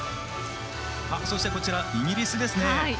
そしてイギリスですね。